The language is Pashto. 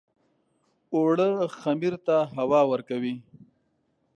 اوړه خمیر ته هوا ورکوي